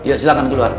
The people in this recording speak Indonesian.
iya silahkan keluar